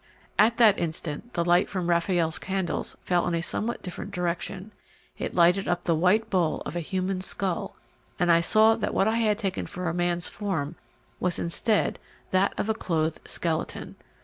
At that instant the light from. Raffaelle's candles fell in a somewhat different direction. It lighted up the white bowl of a human skull, and I saw that what I had taken for a man's form was instead that of a clothed skeleton.